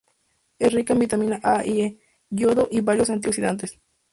Es rica en vitaminas A y E, yodo y varios antioxidantes.